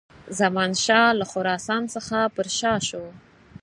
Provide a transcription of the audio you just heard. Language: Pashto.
زمانشاه له خراسان څخه پر شا سو.